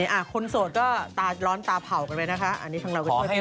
นี่อ่ะคนโสดก็ร้อนตาเผากันด้วยนะคะอันนี้ทั้งเราก็ช่วยกันได้